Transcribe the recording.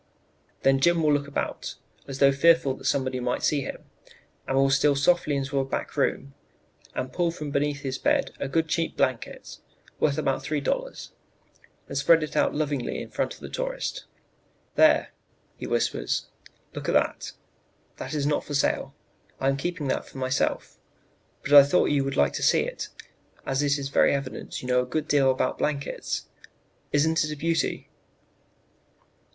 "Then Jim will look about, as though fearful that somebody might see him, and will steal softly into a back room and pull from beneath his bed a good cheap blanket worth about $3 and spread it out lovingly in front of the tourist. "'There,' he whispers; 'look at that; that is not for sale. I am keeping that for myself, but I thought you would like to see it, as it is very evident you know a good deal about blankets; isn't it a beauty?'